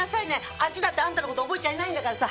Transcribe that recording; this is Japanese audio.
あっちだってあなたの事覚えちゃいないんだからさ。